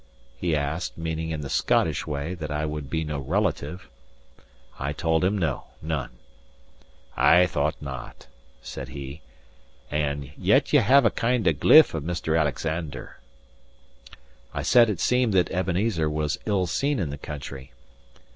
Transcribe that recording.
he asked, meaning, in the Scottish way, that I would be no relative. I told him no, none. "I thought not," said he, "and yet ye have a kind of gliff* of Mr. Alexander." * Look. I said it seemed that Ebenezer was ill seen in the country.